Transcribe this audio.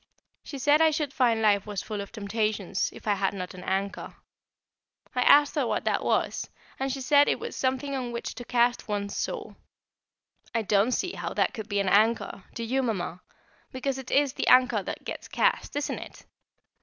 She said I should find life was full of temptations, if I had not an anchor. I asked her what that was, and she said it was something on which to cast one's soul. I don't see how that could be an anchor do you, Mamma? because it is the anchor that gets cast, isn't it?